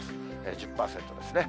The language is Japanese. １０％ですね。